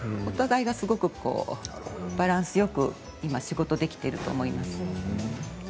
お互いがすごくバランスよく今、仕事できていると思います。